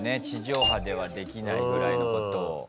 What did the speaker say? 地上波ではできないぐらいのことを。